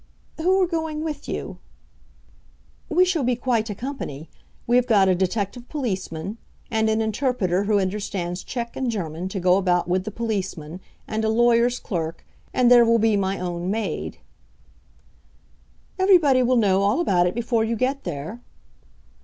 "Who are going with you?" "We shall be quite a company. We have got a detective policeman, and an interpreter who understands Czech and German to go about with the policeman, and a lawyer's clerk, and there will be my own maid." "Everybody will know all about it before you get there."